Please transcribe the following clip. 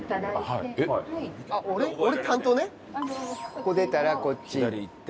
ここ出たらこっち行って。